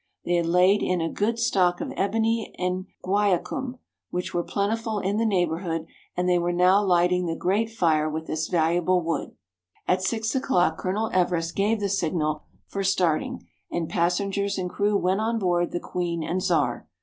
They had laid in a good stock of ebony and guiacum, which were plentiful in the neighbourhood, and they were now lighting the great fire with this valuable wood. At six o'clock Colonel Everest gave the signal for start ing, and passengers and crew went on board the " Queen and Czar."